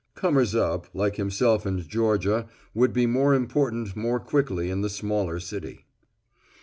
Comers up, like himself and Georgia, would be more important more quickly in the smaller city.